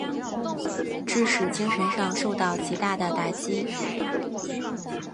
致使精神上受到极大的打击。